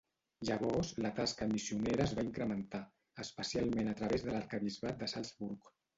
Llavors la tasca missionera es va incrementar, especialment a través de l'arquebisbat de Salzburg.